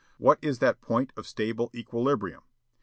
What is that point of stable equilibrium?